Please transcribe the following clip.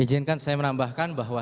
ijinkan saya menambahkan bahwa